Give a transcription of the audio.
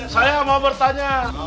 saya mau bertanya